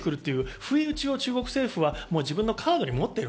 不意打ちを中国政府は自分のカードに持っている。